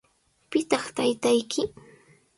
¿Pitaq taytayki?